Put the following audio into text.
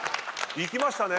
いきましたね。